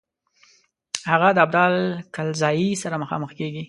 هغه د ابدال کلزايي سره مخامخ کیږي.